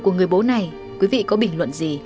của người bố này quý vị có bình luận gì